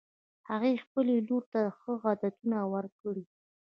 هغې خپلې لور ته ښه عادتونه ورکړي